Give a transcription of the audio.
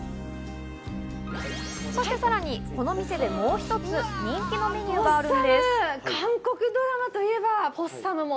そしてさらに、この店でもう一つ人気のメニューがあるんです。